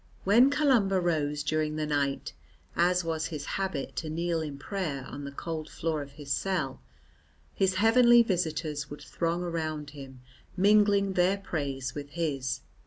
When Columba rose during the night as was his habit to kneel in prayer on the cold floor of his cell, his heavenly visitors would throng around him, mingling their praise with his.